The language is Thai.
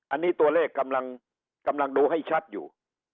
อันนี้ตัวเลขกำลังดูให้ชัดอยู่